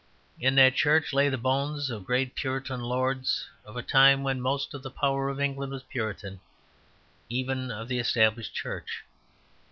In that church lay the bones of great Puritan lords, of a time when most of the power of England was Puritan, even of the Established Church.